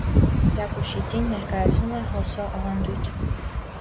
Յակուշի ձին ներկայացնում է հոսսո ավանդույթը։